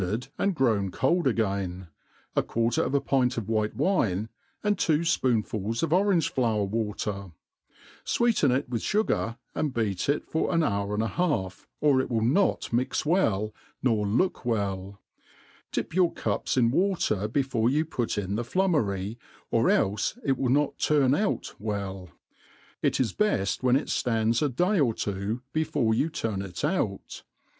297 fcaI4ed and grown cold again, a quarter of a pint of white wine, and two (poonfuls of orange flower water ; fweeten it with fugar, and oeat it for an hour and a half, or it will not 0iix well, nor look well ; dip your cups in water before you put in the flummery, or elfe it will not turn out welL It is heft when it fiands a day or two before you turn it out.